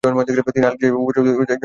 তিনি আলিজাই উপজাতির একজন জাতিগত পশতুন।